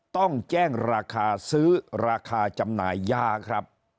ต้องแจ้งราคาซื้อราคาจำหน่ายยาครับ